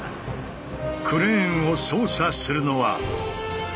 クレーンを操作するのは。